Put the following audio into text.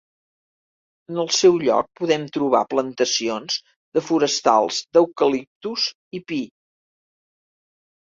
En el seu lloc podem trobar plantacions de forestals d'eucaliptus i pi.